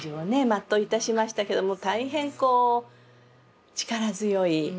全ういたしましたけども大変こう力強い。